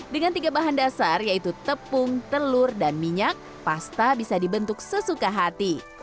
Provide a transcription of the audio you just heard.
dengan tiga bahan dasar yaitu tepung telur dan minyak pasta bisa dibentuk sesuka hati